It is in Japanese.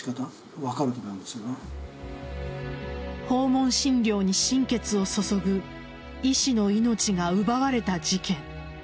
訪問診療に心血を注ぐ医師の命が奪われた事件。